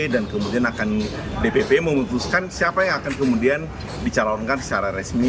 dan kemudian akan dpp memutuskan siapa yang akan kemudian dicalonkan secara resmi